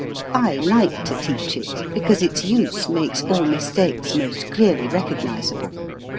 I like to teach it, because its use makes all mis takes most clearly recognizable.